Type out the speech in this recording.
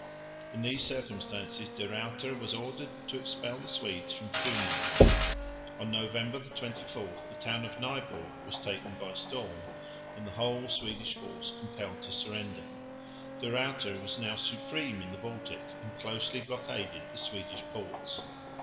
In these circumstances De Ruyter was ordered to expel the Swedes from Funen. On November 24 the town of Nyborg was taken by storm and the whole Swedish force compelled to surrender. De Ruyter was now supreme in the Baltic and closely blockaded the Swedish ports.